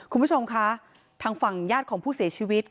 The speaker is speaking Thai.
คุณผู้ชมคะทางฝั่งญาติของผู้เสียชีวิต